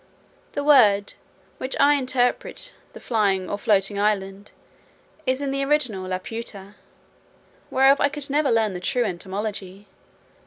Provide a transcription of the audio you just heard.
The word, which I interpret the flying or floating island, is in the original Laputa, whereof I could never learn the true etymology.